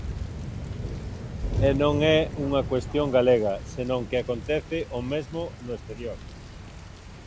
E non é unha cuestión galega, senón que acontece o mesmo no exterior.